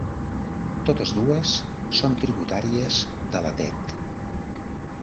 Totes dues són tributàries de la Tet.